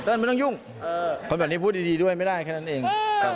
ไม่ต้องยุ่งคนแบบนี้พูดดีด้วยไม่ได้แค่นั้นเอง